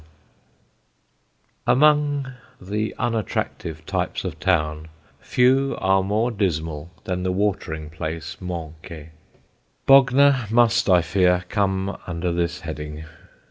[Sidenote: EARLY BOGNOR] Among the unattractive types of town few are more dismal than the watering place manqué. Bognor must, I fear, come under this heading.